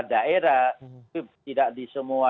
daerah tidak di semua